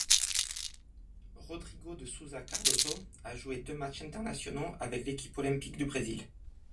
Rodrigo de Souza Cardoso a joué deux matchs internationaux avec l'équipe olympique du Brésil.